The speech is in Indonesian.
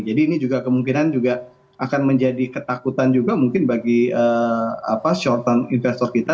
jadi ini juga kemungkinan juga akan menjadi ketakutan juga mungkin bagi short term investor kita